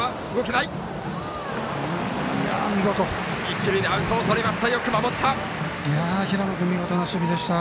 一塁でアウトをとりました。